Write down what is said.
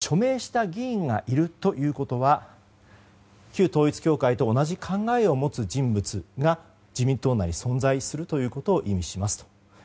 署名した議員がいるということは旧統一教会と同じ考えを持つ人物が自民党内に存在するということを意味しますと。